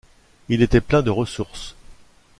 Il était plein de ressources.